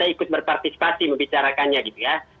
ikut berpartisipasi membicarakannya gitu ya